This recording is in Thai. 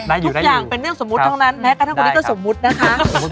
ทุกอย่างเป็นเรื่องสมมติแล้วก็ที่กดเสียงตเก็บ